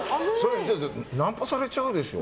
ナンパされちゃうでしょ。